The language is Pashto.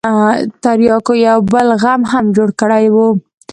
ترياکو يو بل غم هم جوړ کړى و.